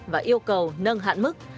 và yêu cầu nâng hạn mức